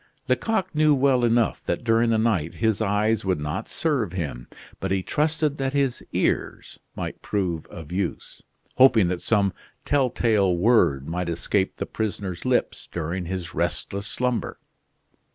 Lecoq knew well enough that during the night his eyes would not serve him, but he trusted that his ears might prove of use, hoping that some telltale word might escape the prisoner's lips during his restless slumber.